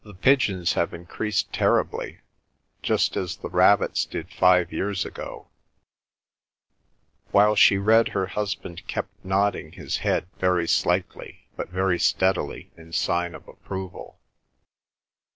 The pigeons have increased terribly, just as the rabbits did five years ago ...'" While she read her husband kept nodding his head very slightly, but very steadily in sign of approval.